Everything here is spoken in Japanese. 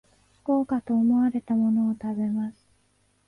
豪華と思われたものを食べます